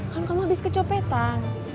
kan kamu habis kecepetan